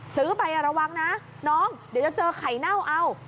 ซื้อไประวังนะน้องเดี๋ยวจะเจอไข่เน่าเอา